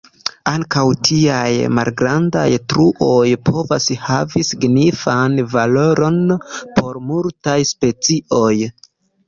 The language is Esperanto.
Ankaŭ tiaj malgrandaj truoj povas havi signifan valoron por multaj specioj.